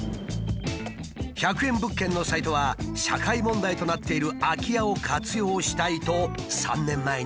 １００円物件のサイトは社会問題となっている空き家を活用したいと３年前に立ち上げた。